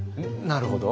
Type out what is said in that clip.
なるほど。